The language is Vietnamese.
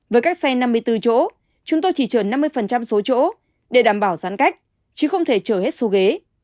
với các xe năm mươi bốn chỗ chúng tôi chỉ trượn năm mươi số chỗ để đảm bảo giãn cách chứ không thể chở hết số ghế